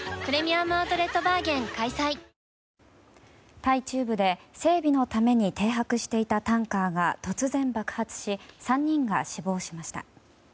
タイ中部で整備のために停泊していたタンカーが突然爆発し３人が死亡しました。